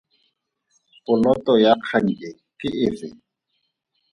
Poloto ya kgang e ke efe?